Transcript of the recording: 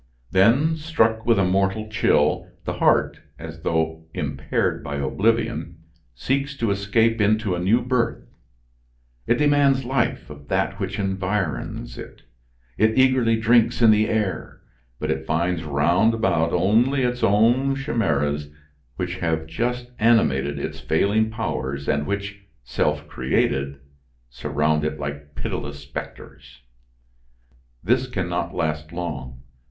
Then, struck with a mortal chill, the heart, as though impaired by oblivion, seeks to escape into a new birth; it demands life of that which environs it, it eagerly drinks in the air; but it finds round about only its own chimeras which have just animated its failing powers and which, self created, surround it like pitiless specters. This can not last long.